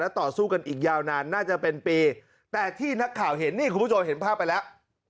ต่อสู้กันอีกยาวนานน่าจะเป็นปีแต่ที่นักข่าวเห็นนี่คุณผู้ชมเห็นภาพไปแล้ว